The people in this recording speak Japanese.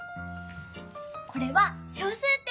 これは小数点！